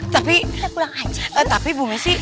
tapi tapi bu messi